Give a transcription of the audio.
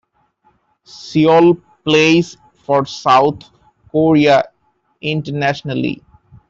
Seol plays for South Korea internationally.